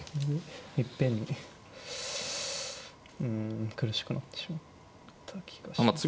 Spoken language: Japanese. いっぺんにうん苦しくなってしまった気がします。